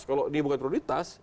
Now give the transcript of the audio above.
kalau ini bukan prioritas